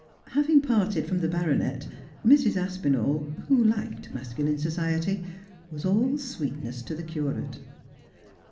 Having parted from the baronet, Mrs. Aspinall, who liked masculine society, was all sweetness to the curate.